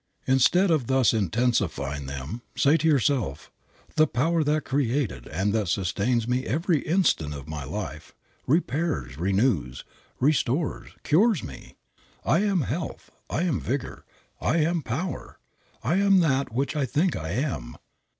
Instead of thus intensifying them, say to yourself, "The Power that created, and that sustains me every instant of my life, repairs, renews, restores, cures me. I am health, I am vigor, I am power, I am that which I think I am."